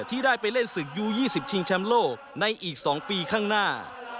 ที่ได้ไปเล่นศึกยู๒๐ชิงแชมป์โลกในอีก๒ปีข้างหน้า